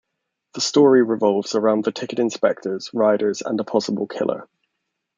The story revolves around the ticket inspectors, riders, and a possible killer.